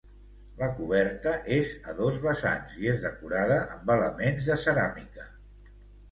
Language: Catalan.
La coberta és a dos vessants i és decorada amb elements de ceràmica.